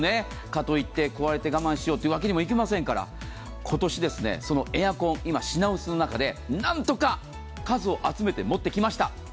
かといって、壊れて我慢しようというわけにはいきませんから、今年、そのエアコン、今、品薄の中でなんとか数を集めて持ってきました。